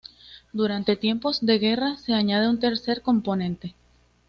Durante tiempos de guerra, se añade un tercer componente.